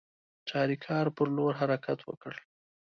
چاریکار پر لور حرکت وکړ.